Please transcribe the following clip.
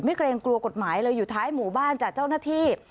เกรงกลัวกฎหมายเลยอยู่ท้ายหมู่บ้านจากเจ้าหน้าที่